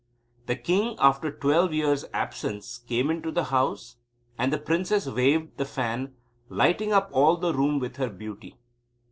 The king, after twelve years' absence, came into the house, and the princess waved the fan, lighting up all the room with her beauty.